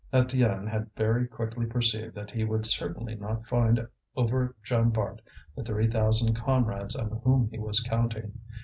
Étienne had very quickly perceived that he would certainly not find over at Jean Bart the three thousand comrades on whom he was counting.